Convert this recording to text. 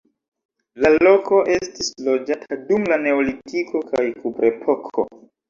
La loko estis loĝata dum la neolitiko kaj kuprepoko.